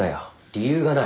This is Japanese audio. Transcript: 理由がない。